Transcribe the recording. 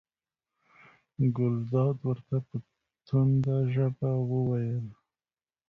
ګلداد ورته په تنده ژبه وویل.